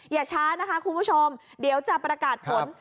อย่าช้านะคะคุณผู้ชมเดี๋ยวจะประกาศผล